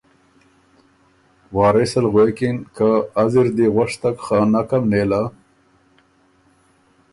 وارث ال غوېکِن که ”از اِر دی غؤشتک خه نکم نېله“